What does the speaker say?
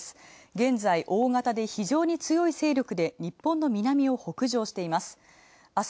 現在、大型で非常に強い勢力で日本の南を北上しています。